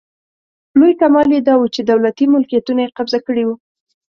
لوی کمال یې داوو چې دولتي ملکیتونه یې قبضه کړي وو.